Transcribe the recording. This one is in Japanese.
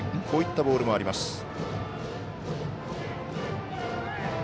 こういったボールもあります。